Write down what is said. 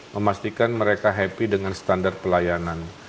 memastikan mereka happy dengan standar pelayanan